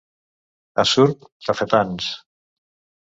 A Surp, tafetans.